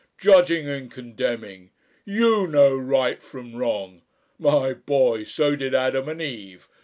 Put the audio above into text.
judging and condemning. You know Right from Wrong! My boy, so did Adam and Eve